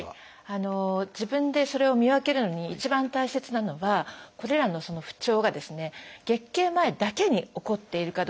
自分でそれを見分けるのに一番大切なのはこれらの不調が月経前だけに起こっているかどうか。